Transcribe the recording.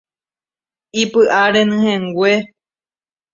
¡Ipyʼa renyhẽngue!